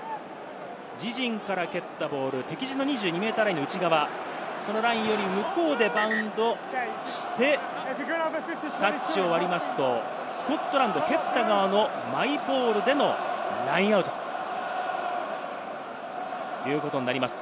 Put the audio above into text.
自陣から蹴ったボール、敵陣の２２ｍライン内側、そのラインより向こう側でバウンドしてタッチを割りますと、スコットランド、蹴った側のマイボールでのラインアウト。ということになります。